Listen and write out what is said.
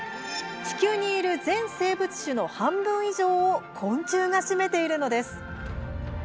地球にいる全生物種の半分以上を昆虫が占めているのです。